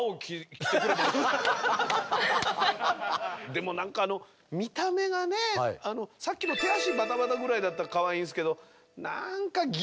でも何かあの見た目がねさっきの手足バタバタぐらいだったらかわいいんですけど何かギラギラして。